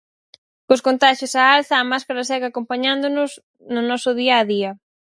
Cos contaxios á alza, a máscara segue acompañándoos no noso día a día.